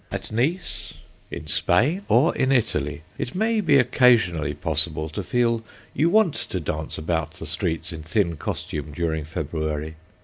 At Nice, in Spain, or in Italy, it may be occasionally possible to feel you want to dance about the streets in thin costume during February.